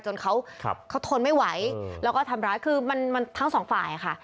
จนเขาทนไม่ไหวแล้วก็ทำร้ายคือมันทั้งสองฝ่ายค่ะ